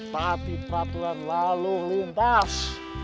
sati peraturan lalu lintas